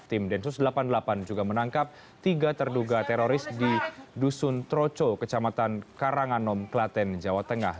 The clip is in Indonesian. tim densus delapan puluh delapan juga menangkap tiga terduga teroris di dusun troco kecamatan karanganom klaten jawa tengah